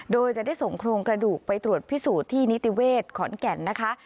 โดยจะได้ส่งโครงกระดูกไปตรวจพิสูจน์ที่นิติเวศขอนแก่นนะคะ